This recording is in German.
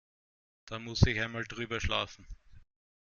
Da muss ich einmal drüber schlafen.